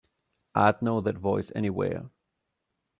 I'd know that voice anywhere.